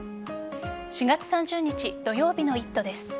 ４月３０日土曜日の「イット！」です。